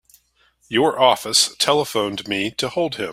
Your office telephoned me to hold him.